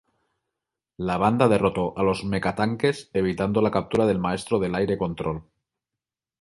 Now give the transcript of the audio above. La banda derrotó a los Meca-Tanques, evitando la captura del Maestro del Aire Control.